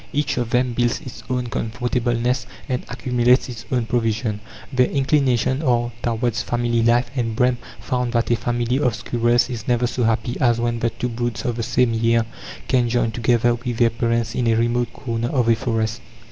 Each of them builds its own comfortable nest, and accumulates its own provision. Their inclinations are towards family life, and Brehm found that a family of squirrels is never so happy as when the two broods of the same year can join together with their parents in a remote corner of a forest.